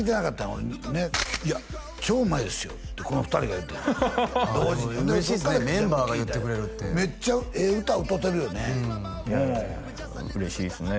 俺「いや超うまいですよ」ってこの２人が言った同時にそんでそっから聴いたよ嬉しいねメンバーが言ってくれるってメッチャええ歌を歌うとるよね嬉しいですね